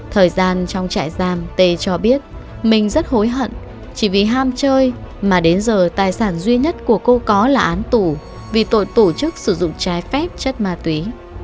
thời gian trong trại giam t cho biết mình rất hối hận chỉ vì ham chơi mà đến giờ tài sản duy nhất của cô có là án tù vì tội tổ chức sử dụng trái phép chất ma túy